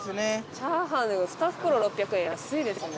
チャーハン２袋６００円安いですね。